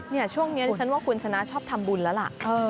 เนี่ยช่วงนี้ฉันว่าคุณฉนะชอบทำบุญล่ะละ